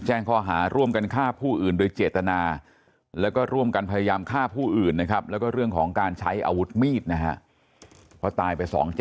เหมือนเขายังไม่รู้ตัวว่าเขาจะตาย